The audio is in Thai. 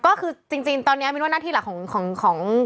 ก็คือจริงตอนนี้มินว่าหน้าที่หลักของ